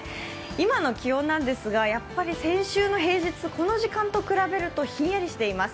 今の気温ですが、先週の平日のこの時間と比べるとひんやりしています。